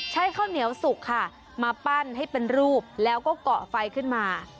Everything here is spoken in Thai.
ข้าวเหนียวสุกค่ะมาปั้นให้เป็นรูปแล้วก็เกาะไฟขึ้นมา